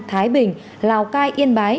thái bình lào cai yên bái